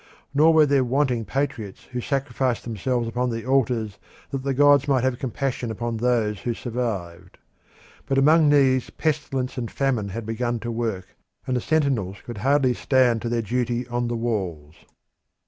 Nor were there wanting patriots who sacrificed themselves upon the altars that the gods might have compassion upon those who survived. But among these pestilence and famine had begun to work, and the sentinels could scarcely stand to their duty on the walls.